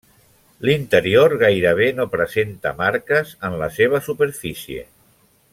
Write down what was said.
L'interior gairebé no presenta marques en la seva superfície.